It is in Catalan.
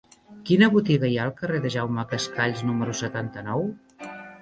Quina botiga hi ha al carrer de Jaume Cascalls número setanta-nou?